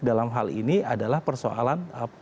dalam hal ini adalah persoalan